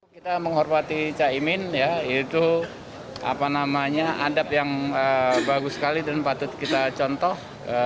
kita menghormati cak imin itu adab yang bagus sekali dan patut kita contoh